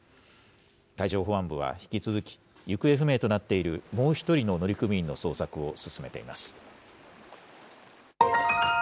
海上保安部は引き続き行方不明となっているもう１人の乗組員の捜索を進めています。